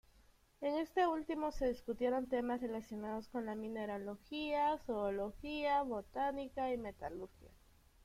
En este último se discutieron temas relacionados con la mineralogía, zoología, botánica, y metalurgia.